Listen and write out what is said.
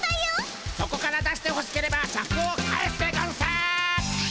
そこから出してほしければシャクを返すでゴンス！